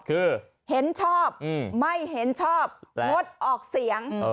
คือเห็นชอบไม่เห็นชอบงดออกเสียง